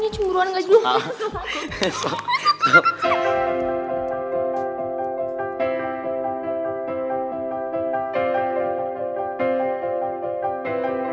turun gak jauh